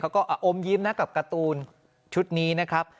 อมยิ้มนะกับการ์ตูนชุดนี้นะครับ